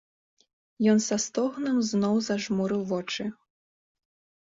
Ён са стогнам зноў зажмурыў вочы.